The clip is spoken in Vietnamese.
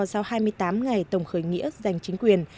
sau hai mươi tám ngày tổng khởi nghĩa giành chính quyền